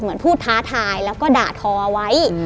เหมือนพูดท้าทายแล้วก็ด่าทอไว้